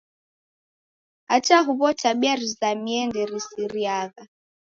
Hata huw'o tabia rizamie nderisiriagha.